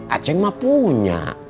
aceh mah punya